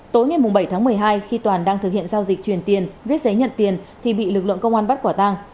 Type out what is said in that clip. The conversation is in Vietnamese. tối ngày bảy tháng một mươi hai khi toàn đang thực hiện giao dịch truyền tiền viết giấy nhận tiền thì bị lực lượng công an bắt quả tăng